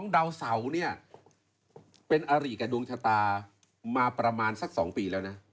ดาวเสาเนี่ยเป็นอริกับดวงชะตามาประมาณสัก๒ปีแล้วนะ